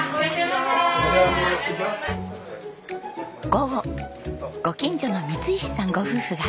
午後ご近所の三石さんご夫婦がご来店です。